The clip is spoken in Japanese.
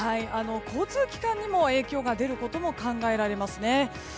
交通機関にも影響が出ることも考えられますね。